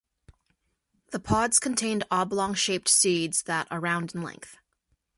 The pods contain oblong shaped seeds that around in length.